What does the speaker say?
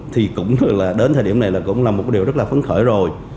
thì cũng là đến thời điểm này là cũng là một điều rất là phấn khởi rồi